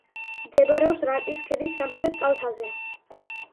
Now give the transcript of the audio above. მდებარეობს რაჭის ქედის სამხრეთ კალთაზე.